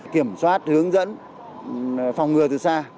kiểm soát hướng dẫn phòng ngừa từ xa